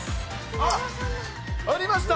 あっ、ありました。